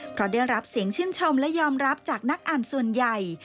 เพราะได้รับเสียงชื่นชมและยอมรับจากนักอ่านส่วนใหญ่